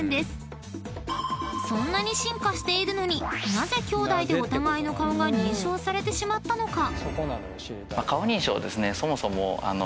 ［そんなに進化しているのになぜきょうだいでお互いの顔が認証されてしまったのか？］